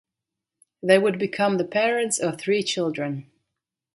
They would become the parents of three children.